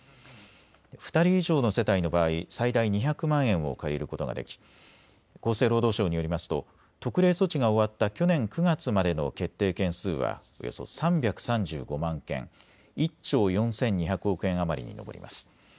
２人以上の世帯の場合、最大２００万円を借りることができ厚生労働省によりますと特例措置が終わった去年９月までの決定件数はおよそ３３５万件、１兆４２００億円余りに上ります。